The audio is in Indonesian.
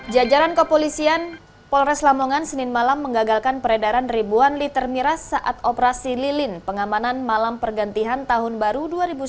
jajaran kepolisian polres lamongan senin malam mengagalkan peredaran ribuan liter miras saat operasi lilin pengamanan malam pergantian tahun baru dua ribu sembilan belas